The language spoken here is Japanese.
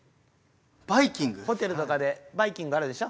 ホテルとかでバイキングあるでしょ？